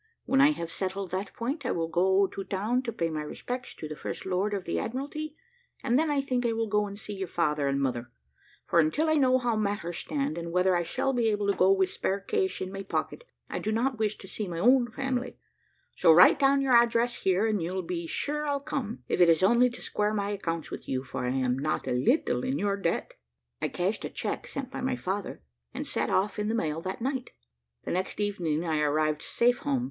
When I have settled that point I will go to town to pay my respects to the First Lord of the Admiralty, and then I think I will go and see your father and mother; for, until I know how matters stand, and whether I shall be able to go with spare cash in my pocket, I do not wish to see my own family; so write down your address here, and you'll be sure I'll come, if it is only to square my accounts with you, for I am not a little in your debt." I cashed a check sent by my father, and set off in the mail that night; the next evening I arrived safe home.